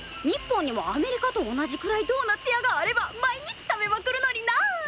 日本にもアメリカと同じくらいドーナツ屋があれば毎日食べまくるのになあ！